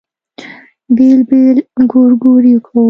بېل بېل ګورګورې کوو.